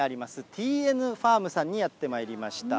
ＴＮファームさんにやってまいりました。